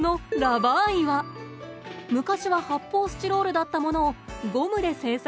昔は発泡スチロールだったものをゴムで制作。